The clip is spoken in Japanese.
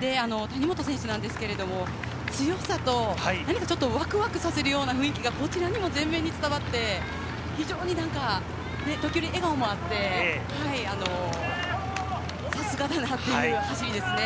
谷本選手ですが、強さとワクワクさせるような雰囲気がこちらにも前面に伝わって、非常に時折笑顔もあって、さすがだなという走りですね。